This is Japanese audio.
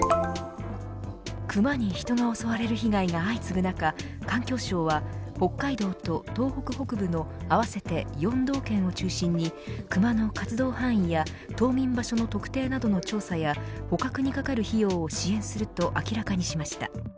クマに人が襲われる被害が相次ぐ中環境省は、北海道と東北北部の合わせて４道県を中心にクマの活動範囲や冬眠場所の特定などの調査や捕獲にかかる費用を支援すると明らかにしました。